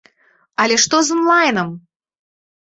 Але што з онлайнам?